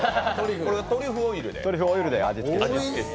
トリュフオイルで味付けしてます。